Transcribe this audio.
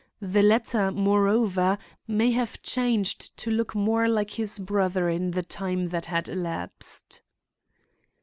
The latter, moreover, may have changed to look more like his brother in the time that had elapsed."